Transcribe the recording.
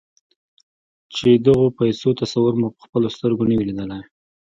چې د غو پيسو تصور مو پهخپلو سترګو نه وي ليدلی.